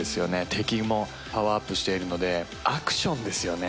敵もパワーアップしているのでアクションですよね。